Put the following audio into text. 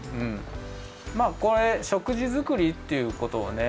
まあこれしょくじづくりっていうことをね